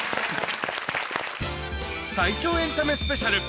最強エンタメスペシャル。